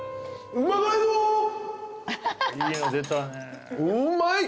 うまい！